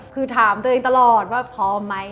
คือถามตัวเองตลอดว่าพร้อมไหม